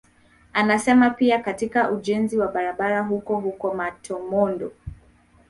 Amesema pia katika ujenzi wa barabara huko huko Matomondo